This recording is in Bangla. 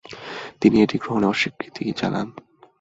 তিনি এটি গ্রহণে অস্বীকৃতি জানান।